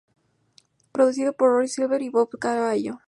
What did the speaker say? Producido por Roy Silver y Bob Cavallo.